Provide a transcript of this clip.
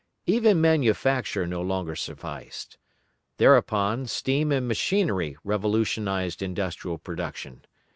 Even manufacture no longer sufficed. Thereupon, steam and machinery revolutionised industrial production.